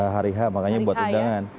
hari h makanya buat undangan